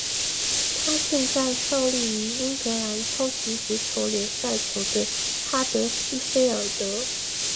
他现在效力于英格兰超级足球联赛球队哈德斯菲尔德。